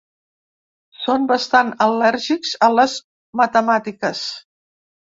Són bastant al·lèrgics a les matemàtiques.